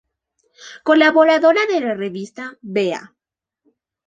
Colaboradora de la revista Vea.